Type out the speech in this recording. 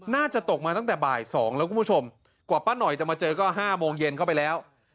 น่าจะตกมาตั้งแต่บ่าย๒แล้วคุณผู้ชมกว่าป้าหน่อยจะมาเจอก็๕โมงเย็นเข้าไปแล้ว